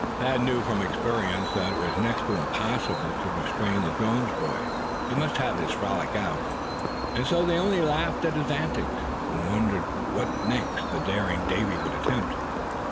Thad knew from experience that it was next to impossible to restrain the Jones boy; he must have his frolic out; and so they only laughed at his antics, and wondered what next the daring Davy would attempt.